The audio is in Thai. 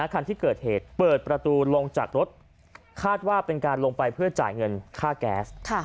คันที่เกิดเหตุเปิดประตูลงจากรถคาดว่าเป็นการลงไปเพื่อจ่ายเงินค่าแก๊ส